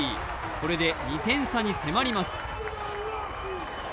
これで２点差に迫ります。